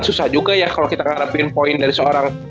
susah juga ya kalau kita ngadapin poin dari seorang